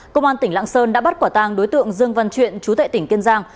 công an tỉnh lạng sơn đã bắt quả tang đối tượng dương văn chuyện chú tệ tỉnh kiên giang